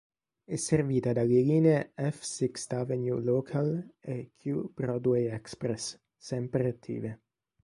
È servita dalle linee F Sixth Avenue Local e Q Broadway Express, sempre attive.